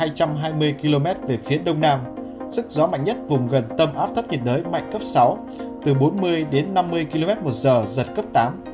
lúc một mươi sáu giờ vị trí tâm áp thấp nhiệt đới cách đảo sông tử tây khoảng hai trăm hai mươi km về phía đông nam sức gió mạnh nhất vùng gần tâm áp thấp nhiệt đới mạnh cấp sáu từ bốn mươi đến năm mươi km một giờ giật cấp tám